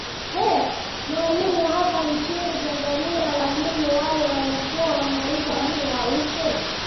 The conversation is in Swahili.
hee walimu hapa nchini tanzania walimu wale walikuwa wanaitwa walimu wa upe